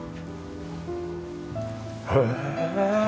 へえ。